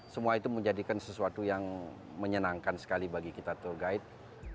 semua itu menjadikan sesuatu yang menyenangkan sekali bagi kita tour guide